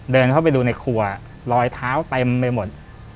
เดินเข้าไปดูในครัวรอยเท้าเต็มไปหมด